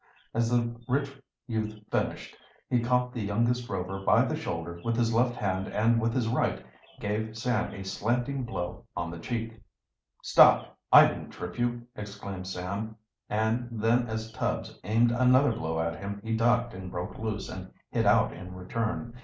As the rich youth finished, he caught the youngest Rover by the shoulder with his left hand and with his right gave Sam a slanting blow on the cheek. "Stop! I didn't trip you!" exclaimed Sam; and then as Tubbs aimed another blow at him he ducked and broke loose and hit out in return.